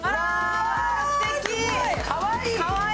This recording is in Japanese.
かわいい！